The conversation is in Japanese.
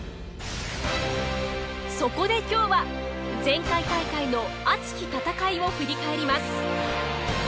そこで今日は前回大会の熱き戦いを振り返ります。